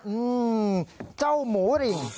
อืมเจ้าหมูริง